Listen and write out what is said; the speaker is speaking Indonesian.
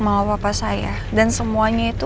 mama papa saya dan semuanya itu